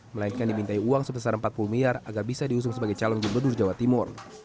melainkan dimintai uang sebesar empat puluh miliar agar bisa diusung sebagai calon gubernur jawa timur